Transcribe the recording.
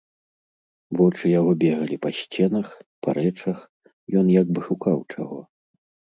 Вочы яго бегалі па сценах, па рэчах, ён як бы шукаў чаго.